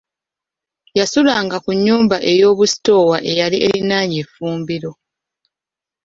Yasulanga ku nnyumba eyoobusitoowa eyali eriraanye effumbiro.